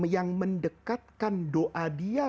yang mendekatkan doa dia